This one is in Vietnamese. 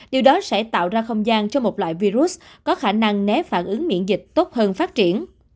điều đó sẽ tạo ra không gian cho một loại virus có khả năng né phản ứng miễn dịch tốt hơn phát triển